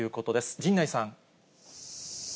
陣内さん。